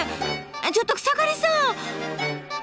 ちょっと草刈さん！